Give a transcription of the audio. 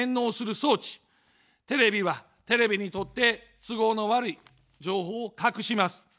テレビは、テレビにとって都合の悪い情報を隠します。